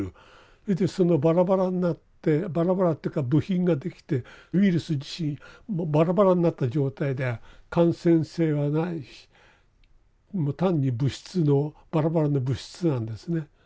それでそのバラバラになってバラバラっていうか部品ができてウイルス自身バラバラになった状態で感染性はない単に物質のバラバラの物質なんですね。